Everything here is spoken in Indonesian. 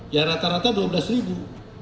ya rata rata dua belas ribu